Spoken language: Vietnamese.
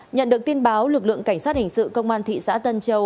nhận được tin báo lực lượng cảnh sát hình sự công an thị xã tân châu